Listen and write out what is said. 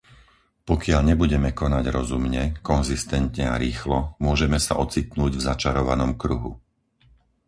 Pokiaľ nebudeme konať rozumne, konzistentne a rýchlo, môžeme sa ocitnúť v začarovanom kruhu.